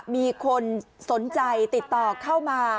มีคนสนใจติดต่อเข้ามา